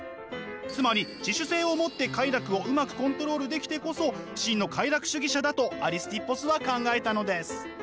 つまり自主性を持って快楽をうまくコントロールできてこそ真の快楽主義者だとアリスティッポスは考えたのです。